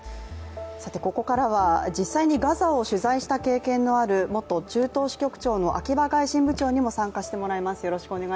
ここからは実際にガザを取材した経験のある元中東支局長の秋場外信部長にもお話を聞きたいと思います。